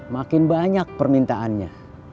makin banyak permintaannya